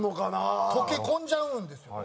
溶け込んじゃうんですよね。